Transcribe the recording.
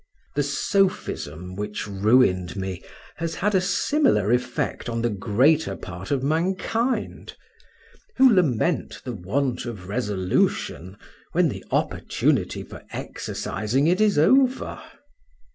The sophism which ruined me has had a similar affect on the greater part of mankind, who lament the want of resolution when the opportunity for exercising it is over.